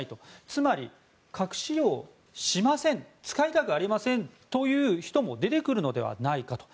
つまり、核使用しません使いたくありませんという人も出てくるのではないかと。